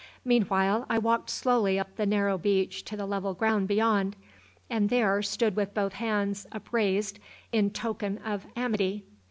Meanwhile I walked slowly up the narrow beach to the level ground beyond, and there stood with both hands upraised in token of amity.